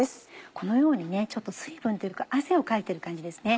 このようにちょっと水分というか汗をかいてる感じですね。